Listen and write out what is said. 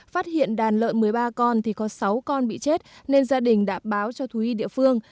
phát hiện đàn lợn một mươi ba con thì có sáu con bị chết nên gia đình đã báo cho thú y địa phương